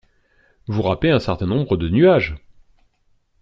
Vous rapez un certain nombre de nuages!